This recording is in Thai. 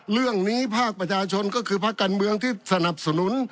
ภาคประชาชนก็คือภาคการเมืองที่สนับสนุน